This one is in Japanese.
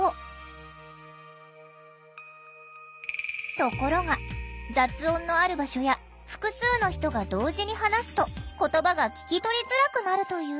ところが雑音のある場所や複数の人が同時に話すと言葉が聞き取りづらくなるという。